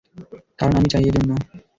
কারন আমি চাই, এজন্য।